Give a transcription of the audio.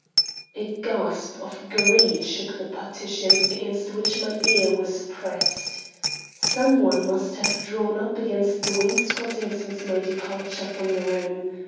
A gasp of greed shook the partition against which my ear was pressed. Some one must have drawn up against the wainscoting since my departure from the room.